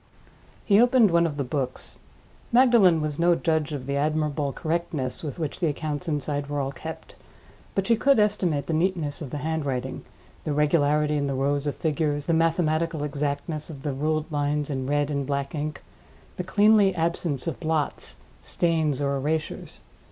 He opened one of the books. Magdalen was no judge of the admirable correctness with which the accounts inside were all kept; but she could estimate the neatness of the handwriting, the regularity in the rows of figures, the mathematical exactness of the ruled lines in red and black ink, the cleanly absence of blots, stains, or erasures.